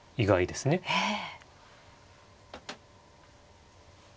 ええ。